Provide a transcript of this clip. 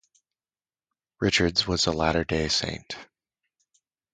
Richards was a Latter-day Saint.